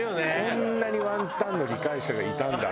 こんなにワンタンの理解者がいたんだっていう。